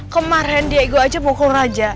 kemaren dego aja pukul raja